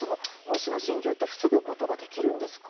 虫の侵入って防ぐことはできるんですか。